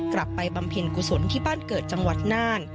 บำเพ็ญกุศลที่บ้านเกิดจังหวัดน่าน